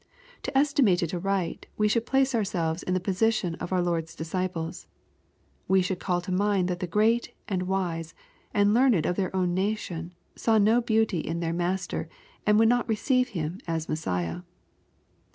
To estimate it aright we should place ourselves in the position of our Lord's disciples. We should call to mind that the great, and wise, and learned of their own nation, saw no beauty in their Master, and would not receive Him as the Mes siah.